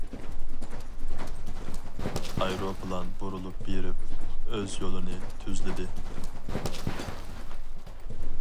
ئايروپىلان بۇرۇلۇپ بېرىپ ئۆز يولىنى تۈزلىدى.